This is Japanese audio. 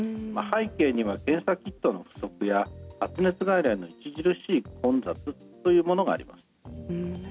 背景には検査キットの不足や発熱外来の著しい混雑というものがあります。